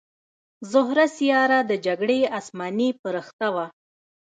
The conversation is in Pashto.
زهره سیاره د جګړې اسماني پرښته وه